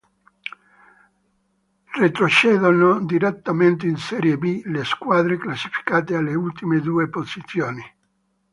Retrocedono direttamente in Serie B le squadre classificate alle ultime due posizioni.